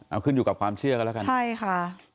เอาขึ้นอยู่กับความเชื่อกันแล้วกันใช่ค่ะ